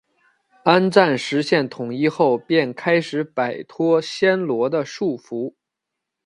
安赞实现统一后便开始摆脱暹罗的束缚。